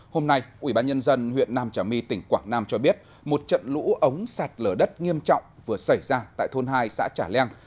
hôm nay ubnd huyện nam trà my tỉnh quảng nam cho biết một trận lũ ống sạt lở đất nghiêm trọng vừa xảy ra tại thôn hai xã trà leng